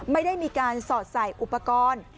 ไม่ได้มีการสอดใส่อุปกรณ์